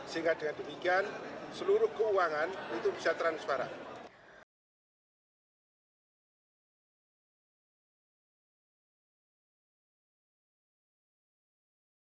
sehingga dengan demikian seluruh keuangan itu bisa transparan